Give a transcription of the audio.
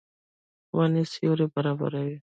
ونې سیوری برابروي.